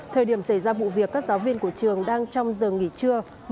thời điểm xảy ra vụ việc các giáo viên của trường đang trong giờ nghỉ trưa